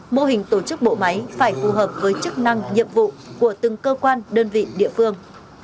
mô hình tổ chức bộ máy phải phù hợp với chức năng nhiệm vụ của từng cơ quan đơn vị địa phương